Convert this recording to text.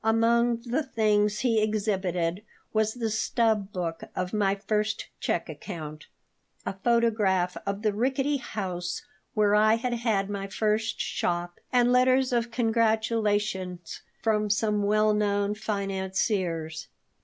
Among the things he exhibited was the stub book of my first check account, a photograph of the rickety house where I had had my first shop, and letters of congratulation from some well known financiers.